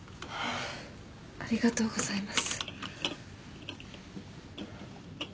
ありがとうございます。